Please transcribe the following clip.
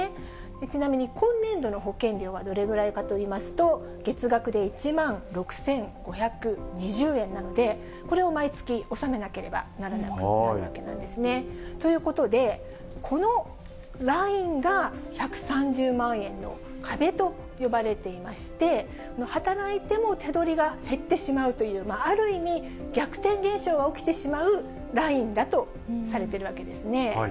ちなみに今年度の保険料はどれぐらいかといいますと、月額で１万６５２０円なので、これを毎月納めなければならなくなるわけなんですね。ということで、このラインが１３０万円の壁と呼ばれていまして、働いても手取りが減ってしまうという、ある意味、逆転現象が起きてしまうラインだとされてるわけですね。